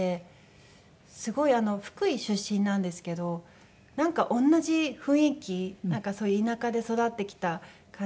すごい福井出身なんですけどなんか同じ雰囲気田舎で育ってきた感じがして。